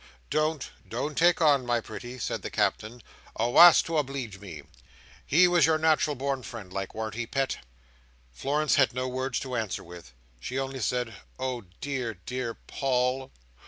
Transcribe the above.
"Don't! don't take on, my pretty!" said the Captain, "awast, to obleege me! He was your nat'ral born friend like, warn't he, Pet?" Florence had no words to answer with. She only said, "Oh, dear, dear Paul!